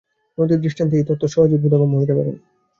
নদীর দৃষ্টান্তে এই তত্ত্ব সহজেই বোধগম্য হইতে পারে।